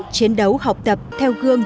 chiến đấu học tập theo gương